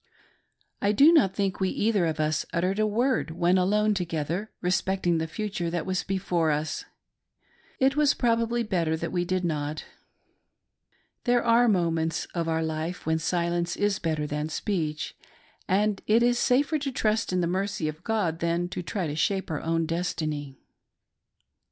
I do riot think we either of us uttered a word, when alone together, respecting the future that was before us. It was probably better that we did not. There are moments of our life when silence is better than speech, and it is safer to trust , in the mercy of 'God than try to shape our own destiny.